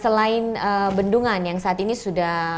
selain bendungan yang saat ini sudah